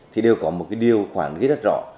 thì đều có một cái điều khoản ghi rất rõ